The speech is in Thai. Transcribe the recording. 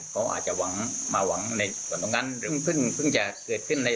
เขาอาจจะหวังมาหวังในขวัญตัวงานหรือเพิ่งเพิ่งจะเกิดขึ้นใน